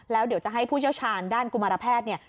แล้วเดี๋ยวจะให้ผู้เชี่ยวชาญด้านกุมารแพทย์เนี่ย